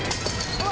あ！